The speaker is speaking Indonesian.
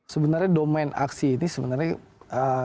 sebenarnya domen aksi ini sebenarnya